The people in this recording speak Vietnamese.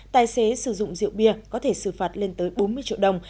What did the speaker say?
tài xế sử dụng rượu bia có thể xử phạt lên tới bốn mươi triệu đồng